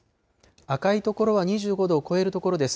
赤い所は２５度を超える所です。